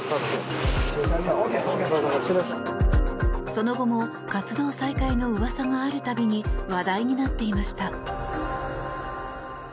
その後も活動再開の噂がある度に話題になっていました。